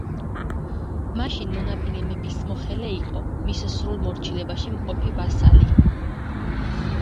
მაშინ მონაპირე მეფის მოხელე იყო, მის სრულ მორჩილებაში მყოფი ვასალი.